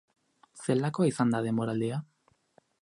Zelakoa izan da denboraldia?